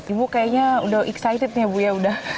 ibu kayaknya udah excited ya bu ya